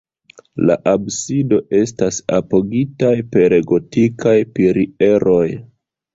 La absido estas apogitaj per gotikaj pilieroj.